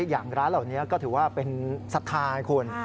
อย่างร้านเหล่านี้ก็ถือว่าเป็นศรัทธาให้คุณ